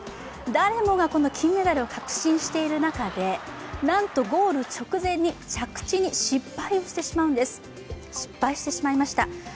誰もが金メダルを確信している中で、なんとゴール直前に着地に失敗してしまいました。